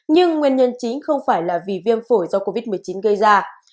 nhưng nguyên nhân chính không phải là vì viêm phổi do covid một mươi chín gây ra